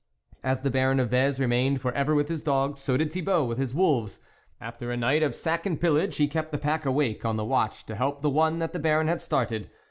As the Baron of Vez remained for ever with his dogs, so did Thibault with his wolves ; after a night of sack and pillage, he kept the pack awake on the watch to help the one that the Baron had started.